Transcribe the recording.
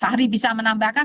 pak fahri bisa menambahkan